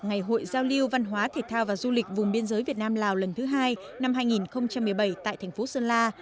ngày hội giao lưu văn hóa thể thao và du lịch vùng biên giới việt nam lào lần thứ hai năm hai nghìn một mươi bảy tại thành phố sơn la